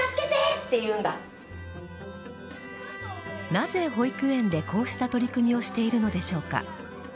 なぜ保育園でこうした取り組みをしているのでしょうか？